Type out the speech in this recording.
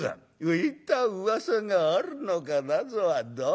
「浮いたうわさがあるのかなぞは。